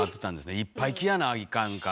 いっぱい着やないかんから。